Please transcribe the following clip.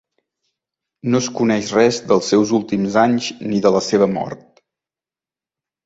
No es coneix res dels seus últims anys ni de la seva mort.